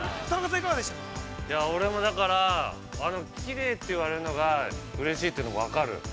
◆俺もだから、きれいって言われるのがうれしいというの分かる。